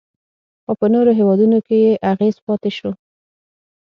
خو په نورو هیوادونو کې یې اغیز پاتې شو